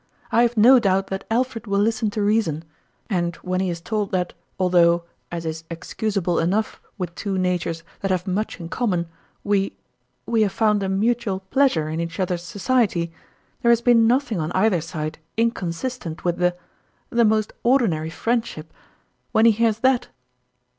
" I have no doubt that Alfred will listen to reason ; and when he is told that, although, as is excusable enough with two natures that have much in common, we we have found a mutual pleas ure in each other's society there has been nothing on either side inconsistent with the the most ordinary friendship ; when he hears that